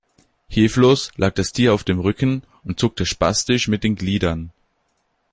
Hilflos lag das Tier auf dem Rücken und zuckte spastisch mit den Gliedern.